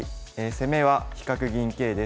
「攻めは飛角銀桂」です。